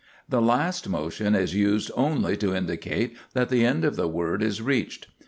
The last motion is used only to indicate that the end of the word is reached.